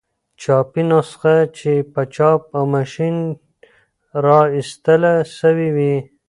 چاپي نسخه چي په چاپ او ما شين را ایستله سوې يي.